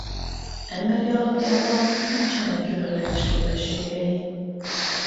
Emberi alakjában nincsenek különleges képességei.